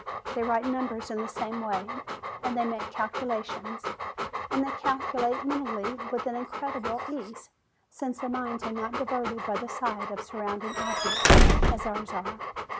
They write numbers in the sa me way, and they make calculations; and they calculate mentally with an incredible ease, since their minds are not diverted by the sight of surro'unding objects, as ours are.